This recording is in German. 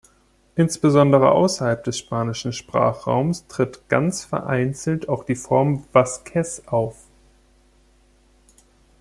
Insbesondere außerhalb des spanischen Sprachraums tritt ganz vereinzelt auch die Form Vazquez auf.